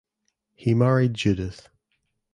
He married Judith.